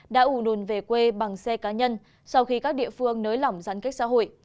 đã ủ đùn về quê bằng xe cá nhân sau khi các địa phương nới lỏng giãn cách xã hội